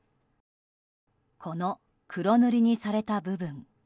この黒塗りにされた部分。